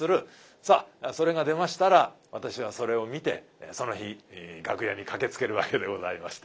さあそれが出ましたら私はそれを見てその日楽屋に駆けつけるわけでございまして。